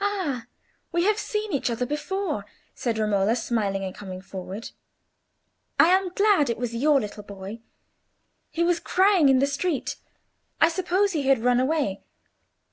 "Ah! we have seen each other before," said Romola, smiling, and coming forward. "I am glad it was your little boy. He was crying in the street; I suppose he had run away.